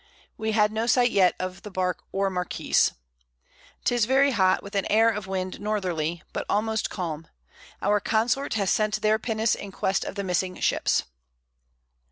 We had no sight yet of the Bark or Marquiss. 'Tis very hot, with an Air of Wind Northerly, but almost calm. Our Consort has sent their Pinnace in quest of the missing Ships.